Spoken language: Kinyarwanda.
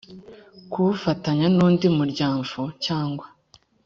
kuwufatanya n undi muryanfo cyangwa